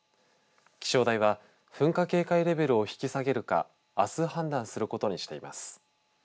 気象台は噴火警戒レベルを引き下げるかあす判断することにしています。